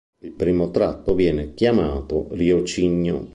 Nel primo tratto viene chiamato "Rio Cigno".